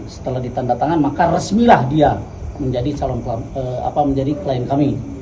setelah ditanda tangan maka resmilah dia menjadi klien kami